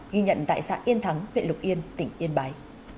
ghi nhận tại xã yên thắng huyện lục yên tỉnh yên bái